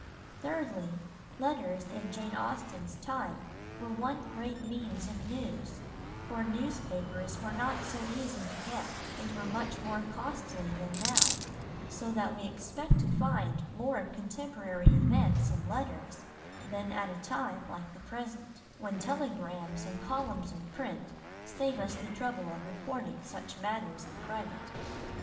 Thirdly, letters in Jane Austen's time were one great means of news, for newspapers were not so easy to get, and were much more costly than now, so that we expect to find more of contemporary events in letters than at a time like the present, when telegrams and columns of print save us the trouble of recording such matters in private.